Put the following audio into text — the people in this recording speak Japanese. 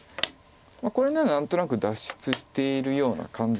これなら何となく脱出しているような感じです。